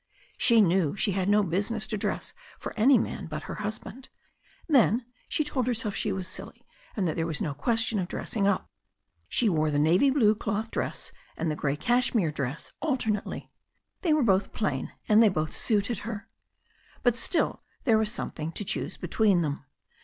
She knew she had no business to dress for any man but her husband. Then she told herself she was silly, and that there was no question of dressing up. She wore the navy blue cloth dress and the grey cashmere dress alternately. They were both plain, and they both suited her. But still, there was something to choose between them.